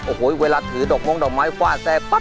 โอ้โหเวลาถือดอกมงดอกไม้ฟาดแทรกปั๊